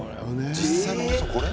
実際の放送、これ？